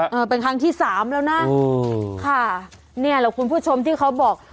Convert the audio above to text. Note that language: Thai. เออเป็นครั้งที่สามแล้วนะค่ะเนี่ยแหละคุณผู้ชมที่เขาบอก